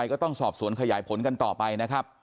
ก็ต้องสอบสวนขยายผลกันต่อไปนะครับ